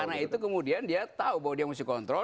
karena itu kemudian dia tahu bahwa dia harus dikontrol